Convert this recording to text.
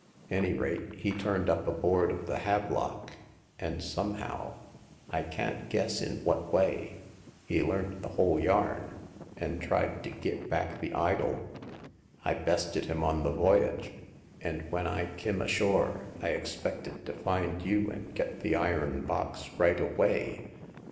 Any rate, he turned up aboard of the Havelock, and somehow — I can't giiess in what way — he learnt the whole yarn, and tried to git back the idol. I bested him on the voyage ; and when I kim ashore I expected to find you and get the iron box right away.